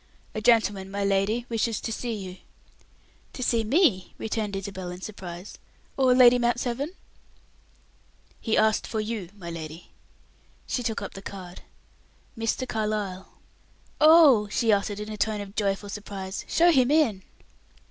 "A gentleman, my lady, wishes to see you." "To see me!" returned Isabel, in surprise, "or Lady Mount Severn?" "He asked for you, my lady." She took up the card. "Mr. Carlyle." "Oh!" she uttered, in a tone of joyful surprise, "show him in."